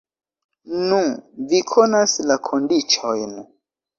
Nu, vi konas la kondiĉojn.